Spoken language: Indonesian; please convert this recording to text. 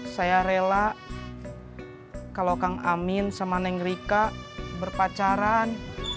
saya rela kalau kang amin sama neng rika berpacaran